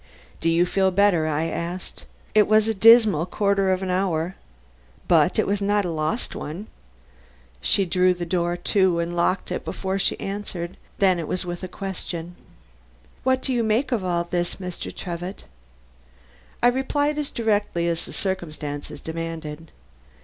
"Do you feel better?" I asked. "It was a dismal quarter of an hour. But it was not a lost one." She drew the door to and locked it before she answered; then it was with a question. "What do you make of all this, Mr. Trevitt?" I replied as directly as the circumstances demanded.